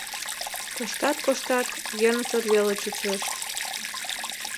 Коштат-коштат — йӧнысыр веле чучеш.